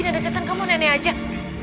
dari setan kamu nenek ajak